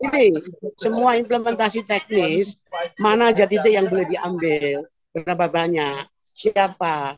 jadi semua implementasi teknis mana aja titik yang boleh diambil berapa banyak siapa